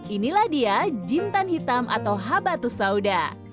inilah dia jintan hitam atau habatus sauda